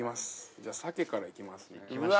じゃあ鮭からいきます。